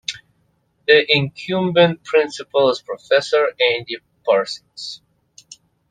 The incumbent principal is Professor Andy Parsons.